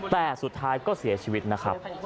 แต่สุดท้ายก็เสียชีวิตนะครับ